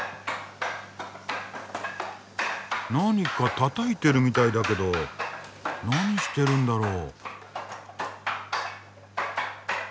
・何かたたいてるみたいだけど何してるんだろう？